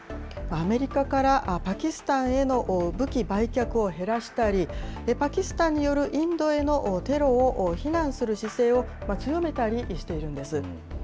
アメリカからパキスタンへの武器売却を減らしたり、パキスタンによるインドへのテロを非難する姿勢を強めたりしているんです。